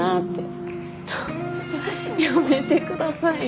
やめてくださいよ。